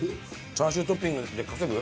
チャーシュートッピングで稼ぐ？